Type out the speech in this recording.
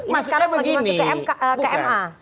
maksudnya begini bukan